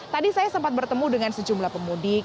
tadi saya sempat bertemu dengan sejumlah pemudik